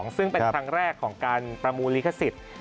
ซึ่งเป็นครั้งแรกของการประมูลลิขสิทธิ์